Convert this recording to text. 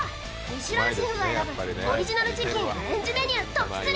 ミシュランシェフが選ぶオリジナルチキン、アレンジメニュー。